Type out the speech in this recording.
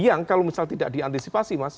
yang kalau misalnya tidak diantisipasi